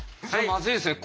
まずいですね。